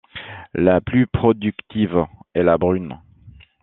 La plus productive est la brune.